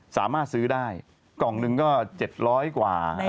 สามารถซื้อได้กล่องหนึ่งก็๗๐๐กว่า